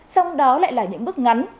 xong đó lại là những bước ngắn